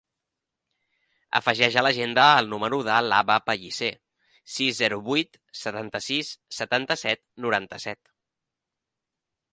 Afegeix a l'agenda el número de l'Abba Pellicer: sis, zero, vuit, setanta-sis, setanta-set, noranta-set.